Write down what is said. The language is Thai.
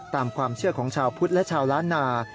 ตามความเชื่อของชาวพุทธและชาวล้านนา